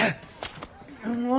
もう！